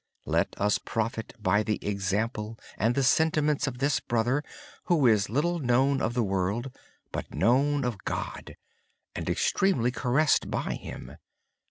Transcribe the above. And, let us benefit from the example and sentiments of this brother who is little known by the world, but known and extremely caressed by God.